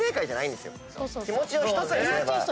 気持ちを１つにすれば。